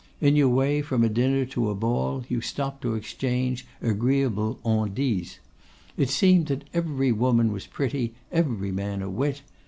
In your way from a dinner to a ball, you stopped to exchange agreeable on dits. It seemed that every woman was pretty, every man a wit.